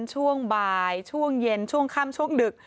ช่วงบ่ายช่วงเย็นช่วงค่ำช่วงดึก